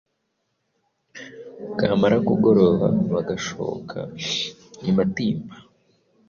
Bwamara kugoroba bagashoka i matimba